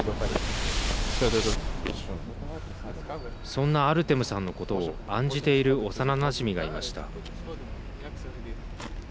そんなアルテムさんのことを案じている幼なじみがいました。